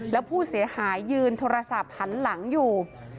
แล้วผู้เสียหายยืนโทรศัพท์หันหลังอยู่